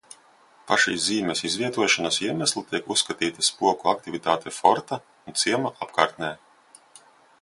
Par šīs zīmes izvietošanas iemeslu tiek uzskatīta spoku aktivitāte forta un ciema apkārtnē.